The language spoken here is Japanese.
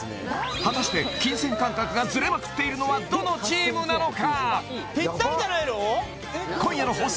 果たして金銭感覚がズレまくっているのはどのチームなのか？